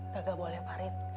gak boleh farid